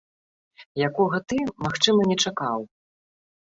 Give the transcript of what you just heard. Якога ты, магчыма, не чакаў.